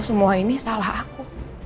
semua ini salah aku